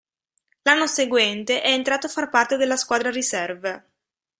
L'anno seguente, è entrato a far parte della squadra riserve.